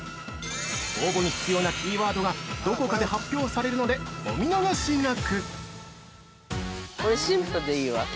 応募に必要なキーワードがどこかで発表されるのでお見逃しなく！